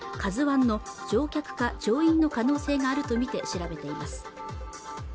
ＫＡＺＵ１の乗客か乗員の可能性があるとみて調べています